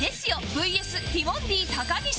ＶＳ ティモンディ高岸